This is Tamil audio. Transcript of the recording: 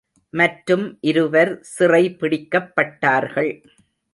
மற்றும் இருவர் சிறை பிடிக்கப்பட்டார்கள்.